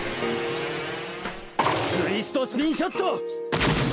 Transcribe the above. ツイストスピンショット！